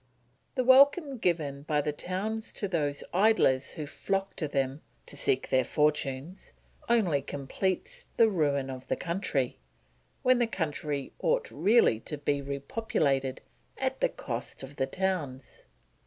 The welcome given by the towns to those idlers who flock to them to seek their fortunes only completes the ruin of the country, when the country ought really to be repopulated at the cost of the towns.